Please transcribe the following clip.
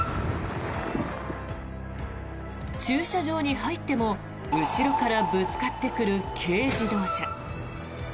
駐車場に入っても後ろからぶつかってくる軽自動車。